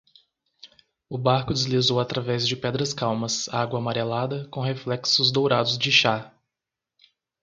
O barco deslizou através de pedras calmas, água amarelada, com reflexos dourados de chá.